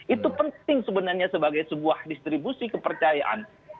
itu penting sebenarnya sebagai sebuah distribusi kepercayaan